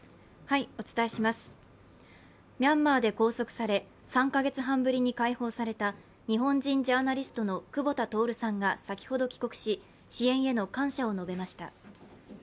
ミャンマーで拘束され、３カ月半ぶりに解放された日本人ジャーナリストの久保田徹さんが先ほど帰国し、支援への感謝を述べました。